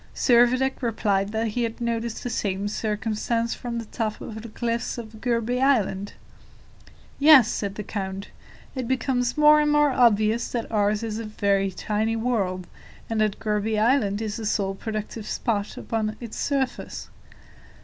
Servadac replied that he had noticed the same circumstance from the top of the cliffs of Gourbi Island. "Yes," said the count; "it becomes more and more obvious that ours is a very tiny world, and that Gourbi Island is the sole productive spot upon its surface.